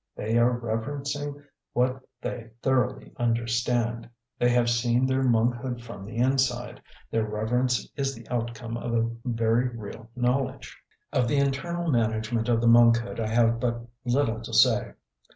They are reverencing what they thoroughly understand; they have seen their monkhood from the inside; their reverence is the outcome of a very real knowledge. Of the internal management of the monkhood I have but little to say.